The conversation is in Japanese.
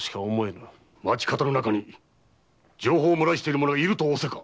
町方の中に情報を漏らしている者がいると仰せか？